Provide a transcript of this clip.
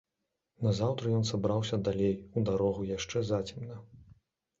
Назаўтра ён сабраўся далей у дарогу яшчэ зацемна.